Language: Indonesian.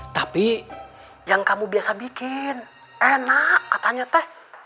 tapi yang kamu biasa bikin enak katanya teh